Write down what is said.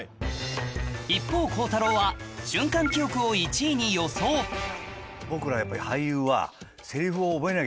一方鋼太郎は瞬間記憶を１位に予想僕らやっぱり。